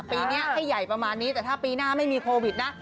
ปีนี้ให้ใหญ่ประมาณนี้แต่ถ้าปีหน้าไม่มีโควิดนะ